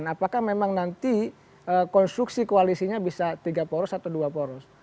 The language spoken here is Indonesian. apakah memang nanti konstruksi koalisinya bisa tiga poros atau dua poros